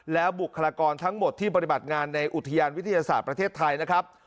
แล้วบุคลากรทั้งหมดที่ปฏิบัติงานในอุทยานวิทยาศาสตร์ประเทศไทยนะครับ